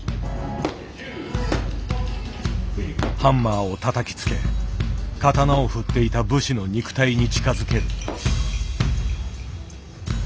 ハンマーをたたきつけ刀を振っていた武士の肉体に近づける。